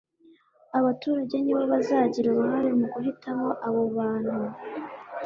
Abaturage nibo bazagira uruhare mu guhitamo abo bantu